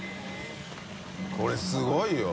これすごいよ。